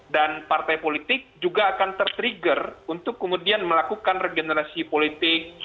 dan partai politik juga akan tertrigger untuk kemudian melakukan regenerasi politik